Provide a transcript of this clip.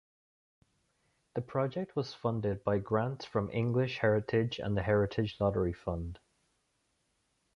The project was funded by grants from English Heritage and the Heritage Lottery Fund.